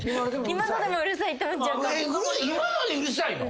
今のでうるさいの？